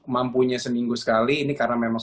mampunya seminggu sekali ini karena memang